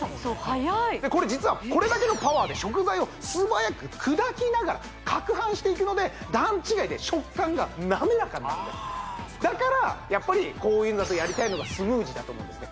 はやいこれ実はこれだけのパワーで食材を素早く砕きながらかくはんしていくので段違いで食感がなめらかになるだからやっぱりこういうのだとやりたいのがスムージーだと思うんです